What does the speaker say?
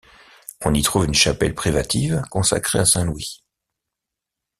On y trouve une chapelle privative consacrée à Saint-Louis.